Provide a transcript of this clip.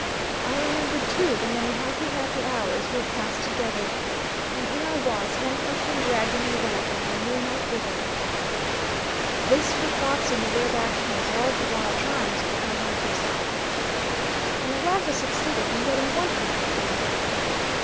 I remembered, too, the many happy, happy hours we had passed together. And here was I, handcuffed and dragged in a wagon, I knew not whither. This for thoughts in the way of action, was all the while trying to get my handcuffs off, and at last I succeeded in getting one hand free.